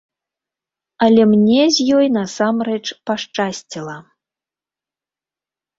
Але мне з ёй насамрэч пашчасціла.